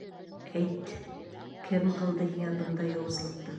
Әйт, кем ҡылды һиңә бындай яуызлыҡты?